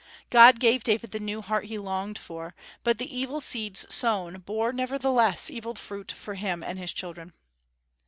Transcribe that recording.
God gave David the new heart he longed for; but the evil seeds sown bore nevertheless evil fruit for him and his children.